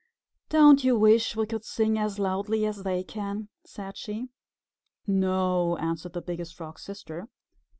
"Don't you wish we could sing as loudly as they can?" said she. "No," answered the Biggest Frog's Sister.